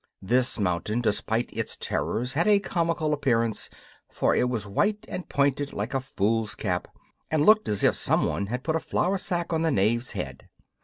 This mountain, despite its terrors, had a comical appearance, for it was white and pointed like a fool's cap, and looked as if some one had put a flour sack on the knave's head.